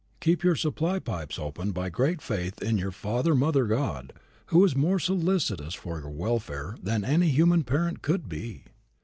Keep your supply pipes open by great faith in your Father Mother God, who is more solicitous for your welfare than any human parent could be.